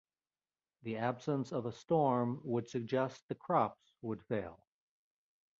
The absence of a storm would suggest the crops would fail.